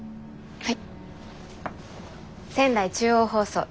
はい。